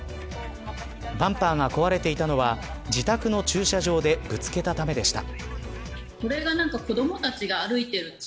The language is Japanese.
バンパーが壊れていたのは自宅の駐車場でぶつけたためでした。